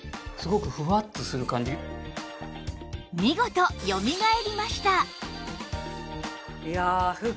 見事よみがえりました！